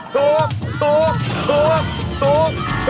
โชค